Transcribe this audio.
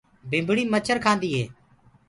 ڀِمڀڻي مڇر کآندي هي۔